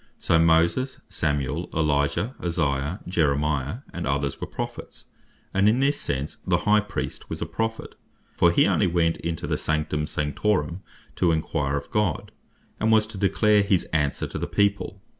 So Moses, Samuel, Elijah, Isaiah, Jeremiah, and others were Prophets. And in this sense the High Priest was a Prophet, for he only went into the Sanctum Sanctorum, to enquire of God; and was to declare his answer to the people.